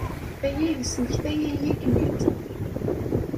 Aya yesmektay-iyi-kem-id.